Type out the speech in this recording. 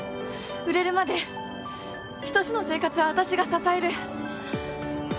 売れるまで仁の生活は私が支える。